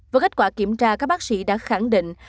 với kết quả kiểm tra các bác sĩ đã khẳng định